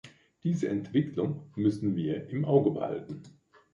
Diese Entwicklung müssen wir im Auge behalten.